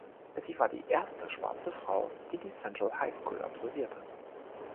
Sie war die erste schwarze Frau, die die Central High School absolvierte.